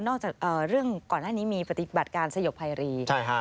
จากเรื่องก่อนหน้านี้มีปฏิบัติการสยบภัยรี